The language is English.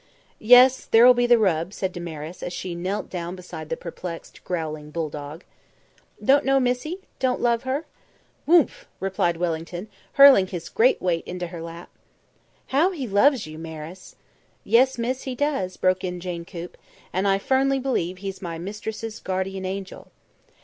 "Yes, there'll be the rub," said Damaris, as she knelt down beside the perplexed, growling bulldog. "Don't know Missie? Don't love her?" "Woomph!" replied Wellington, hurling his great weight into her lap. "How he loves you, Maris!" "Yes, miss, he does," broke in Jane Coop. "And I firmly believe he's my mistress's guardian angel."